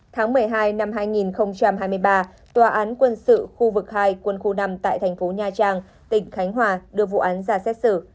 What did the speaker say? tháng một mươi hai năm hai nghìn hai mươi ba tòa án quân sự khu vực hai quân khu năm tại thành phố nha trang tỉnh khánh hòa đưa vụ án ra xét xử